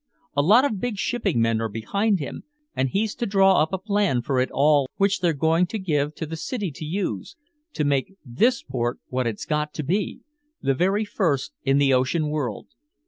A lot of big shipping men are behind him, and he's to draw up a plan for it all which they're going to give to the city to use, to make this port what it's got to be, the very first in the ocean world.